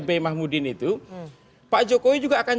b mahmudin itu pak jokowi juga akan